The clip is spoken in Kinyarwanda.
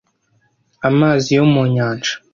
amazi yo mu nyanja